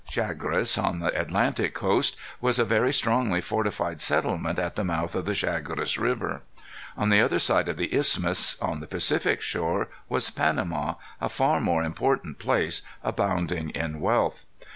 Chagres, on the Atlantic coast, was a very strongly fortified settlement at the mouth of the Chagres River. On the other side of the isthmus, on the Pacific shore, was Panama, a far more important place, abounding in wealth.